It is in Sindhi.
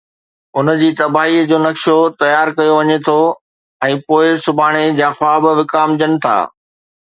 ان جي تباهيءَ جو نقشو تيار ڪيو وڃي ٿو ۽ پوءِ سڀاڻي جا خواب وڪامجن ٿا.